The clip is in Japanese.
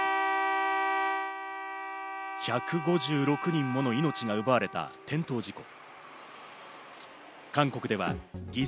１５６人もの命が奪われた転倒事故。